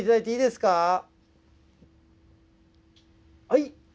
はい。